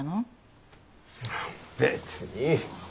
別に。